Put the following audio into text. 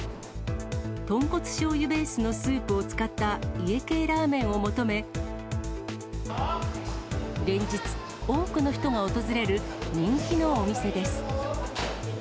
豚骨しょうゆベースのスープを使った家系ラーメンを求め、連日、多くの人が訪れる人気のお店です。